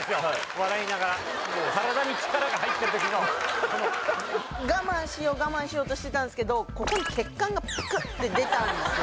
笑いながら体に力が入った時のこう我慢しよう我慢しようとしてたんですけどここに血管がプクッて出たんですよ